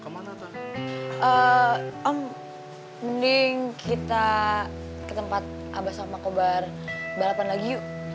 mending kita ke tempat abah sama kobar balapan lagi